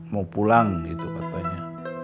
mau pulang gitu katanya